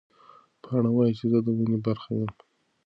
پاڼه وایي چې زه د ونې برخه یم.